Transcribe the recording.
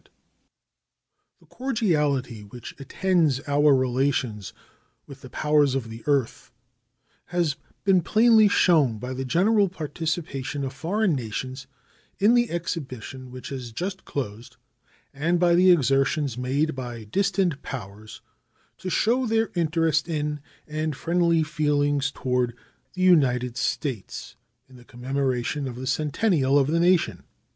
The cordiality which attends our relations with the powers of the earth has been plainly shown by the general participation of foreign nations in the exhibition which has just closed and by the exertions made by distant powers to show their interest in and friendly feelings toward the United States in the commemoration of the centennial of the nation.